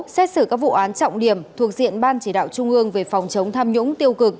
xét xử các vụ án trọng điểm thuộc diện ban chỉ đạo trung ương về phòng chống tham nhũng tiêu cực